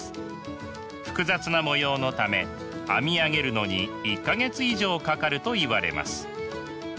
複雑な模様のため編み上げるのに１か月以上かかるといわれます。